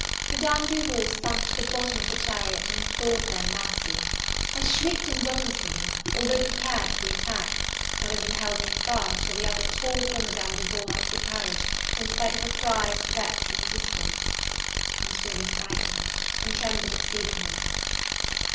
Madame Duval sunk to the bottom of the chariot, and implored their mercy. I shrieked involuntarily, although prepared for the attack: one of them held me fast, while the other tore poor Madame Duval out of the carriage, in spite of her cries, threats, and resistance. I was really frightened, and trembled exceedingly.